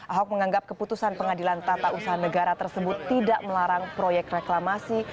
ahok menganggap keputusan pengadilan tata usaha negara tersebut tidak melarang proyek reklamasi